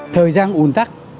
thời gian ùn tắc